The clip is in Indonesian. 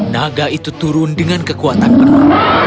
naga itu turun dengan kekuatan penuh